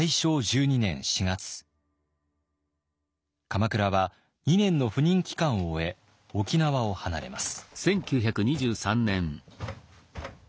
鎌倉は２年の赴任期間を終え沖縄を離れます。